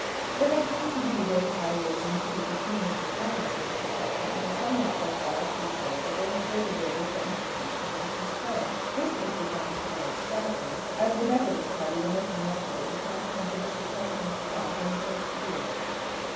There had come to be very high words indeed between Mr. Grimes and Mr. Puddleham, and some went so far as to declare that they had heard the builder threaten to punch the minister's head. This Mr. Grimes denied stoutly, as the Methodist party were making much of it in consequence of Mr. Puddleham's cloth and advanced years.